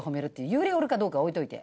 幽霊おるかどうかは置いといて。